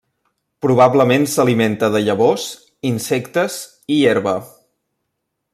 Probablement s'alimenta de llavors, insectes i herba.